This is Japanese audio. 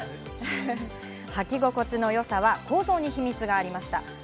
履き心地の良さは構造に秘密がありました。